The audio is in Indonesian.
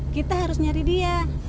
kita harus nyari dia